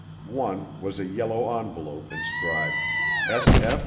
One was a yellow envelope inscribed "S. F.